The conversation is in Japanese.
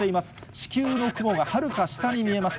地球の雲がはるか下に見えます。